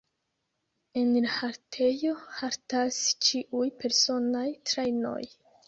En la haltejo haltas ĉiuj personaj trajnoj.